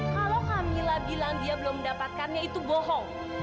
kalau kamila bilang dia belum mendapatkannya itu bohong